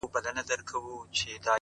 د زړه سکون تر شتمنۍ ارزښتمن دی,